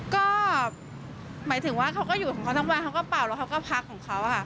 ก็หมายถึงว่าเขาก็อยู่ของเขาทั้งวันเขาก็เป่าแล้วเขาก็พักของเขาค่ะ